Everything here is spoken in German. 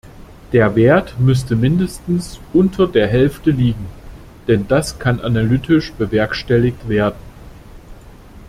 Der Wert müsste mindestens unter der Hälfte liegen, denn das kann analytisch bewerkstelligt werden.